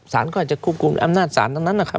ก็จะควบคุมอำนาจศาลทั้งนั้นนะครับ